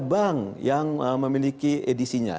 bank yang memiliki edisinya